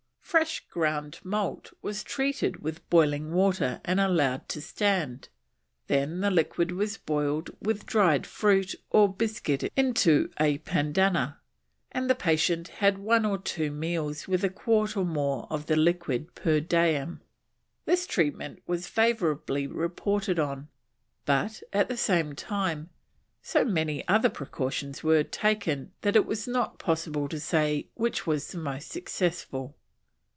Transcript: Fresh ground malt was treated with boiling water and allowed to stand, then the liquid was boiled with dried fruit or biscuit into a panada, and the patient had one or two meals with a quart or more of the liquid per diem. This treatment was favourably reported on, but, at the same time, so many other precautions were taken that it was not possible to say which was the most successful.